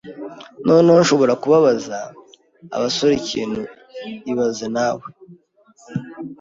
Noneho, nshobora kubabaza abasore ikintu ibaze nawe